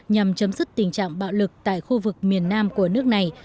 nhằm chấm dứt tình trạng bạo lực tại khu vực miền nam của nước này